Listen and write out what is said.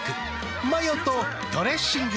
マヨとドレッシングで。